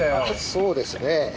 そうですね。